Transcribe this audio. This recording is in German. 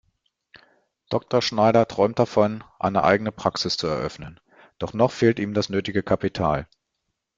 Dr. Schneider träumt davon, eine eigene Praxis zu eröffnen, doch noch fehlt ihm das nötige Kapital.